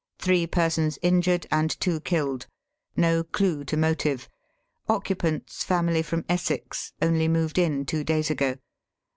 Three persons injured and two killed. No clue to motive. Occupants, family from Essex. Only moved in two days ago.